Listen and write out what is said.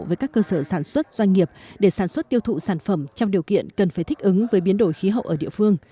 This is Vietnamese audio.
với các cơ sở sản xuất doanh nghiệp để sản xuất tiêu thụ sản phẩm trong điều kiện cần phải thích ứng với biến đổi khí hậu ở địa phương